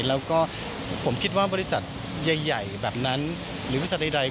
แล้วก็ผมคิดว่าบริษัทใหญ่แบบนั้นหรือบริษัทใด